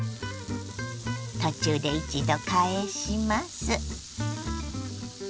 途中で一度返します。